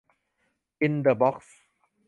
อินเดอะบ็อกซ์